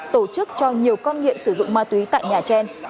tổ chức cho nhiều con nghiện sử dụng ma túy tại nhà trên